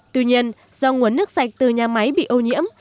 tuy nhiên do nguồn nước sạch từ nhà máy bị ô nhiễm